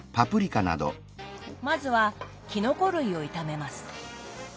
まずはきのこ類を炒めます。